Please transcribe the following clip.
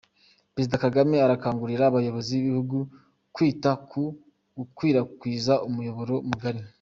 Perezida Kagame arakangurira abayobozi b’ibihugu kwita ku gukwirakwiza umuyoboro mugari